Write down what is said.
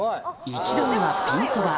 １打目はピンそば